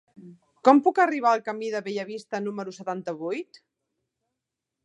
Com puc arribar al camí de Bellavista número setanta-vuit?